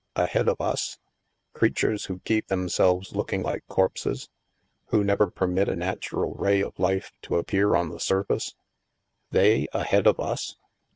"Ahead of us? Creatures who keep themselves looking like corpses ? Who never permit a natural ray of life to appear on the surface? They, ahead of us?"